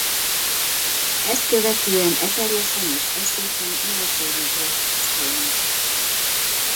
Ezt követően Eperjesen és Eszéken nyolc évig volt házfőnök.